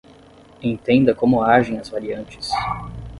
Entenda como agem as variantes